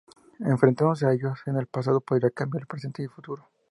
Enfrentándose a ellos en el pasado, podría cambiar el presente y futuro.